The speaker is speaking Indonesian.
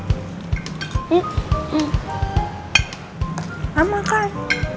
aku mau makan